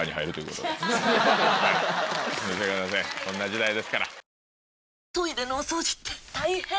こんな時代ですから。